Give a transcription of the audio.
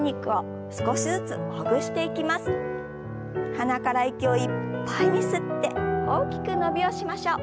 鼻から息をいっぱいに吸って大きく伸びをしましょう。